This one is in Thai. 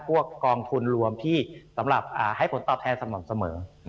กองทุนรวมที่สำหรับให้ผลตอบแทนสม่ำเสมอ